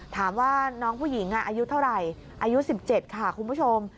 ถามว่าน้องผู้หญิงอายุเท่าไหร่อายุ๑๗ค่ะคุณผู้ชม